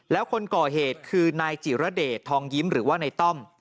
แล้วคนก่อเหตุคือนายจิรเดชทองยิ้มหรือว่าในต้อม